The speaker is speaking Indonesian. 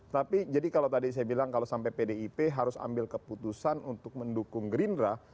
tapi jadi kalau tadi saya bilang kalau sampai pdip harus ambil keputusan untuk mendukung gerindra